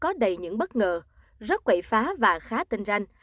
nó đầy những bất ngờ rất quậy phá và khá tình ranh